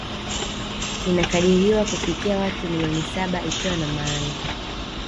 Linakadiriwa kufikia watu milioni saba ikiwa na maana